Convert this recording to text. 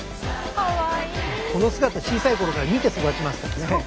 この姿小さい頃から見て育ちますからね。